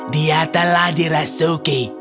dia telah dirasuki